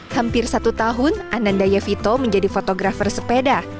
hampir satu tahun anandaya vito menjadi fotografer sepeda